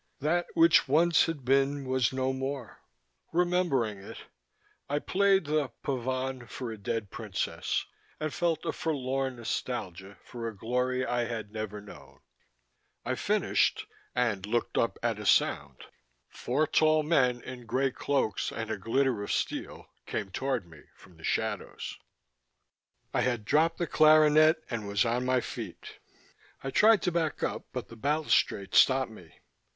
That which once had been was no more; remembering it, I played the Pavane for a Dead Princess, and felt a forlorn nostalgia for a glory I had never known.... I finished and looked up at a sound. Four tall men in grey cloaks and a glitter of steel came toward me from the shadows. I had dropped the clarinet and was on my feet. I tried to back up but the balustrade stopped me.